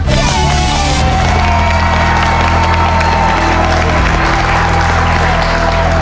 มีชื่อดี